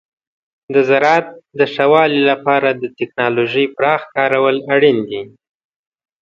د زراعت د ښه والي لپاره د تکنالوژۍ پراخ کارول اړین دي.